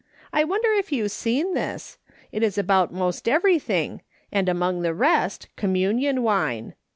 I wonder if you've seen this ? It is about most everything, and among the rest, communion wine.